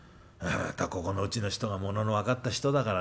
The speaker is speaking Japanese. ここのうちの人がものの分かった人だからね